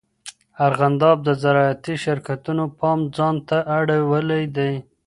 ارغنداب د زراعتي شرکتونو پام ځان ته اړولی دی.